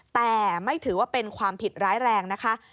แต่ไม่ถือว่าเป็นความผิดร้ายแรงนะคะ